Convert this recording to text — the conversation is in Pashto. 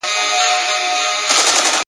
په شنو طوطیانو ښکلی ښکلی چنار.!